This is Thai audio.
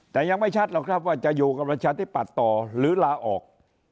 แต่ยังไม่ชัดหรอกครับว่าจะอยู่กับประชาธิปัตย์ต่อหรือลาออก